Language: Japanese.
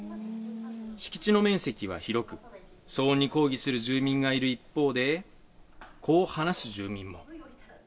敷地の面積は広く、騒音に抗議する住民がいる一方で、こう話す住民も。